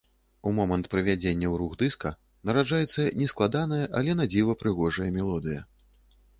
У момант прывядзення ў рух дыска, нараджаецца нескладаная, але на дзіва прыгожая мелодыя.